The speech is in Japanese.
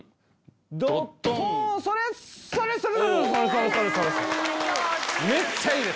それそれそれ！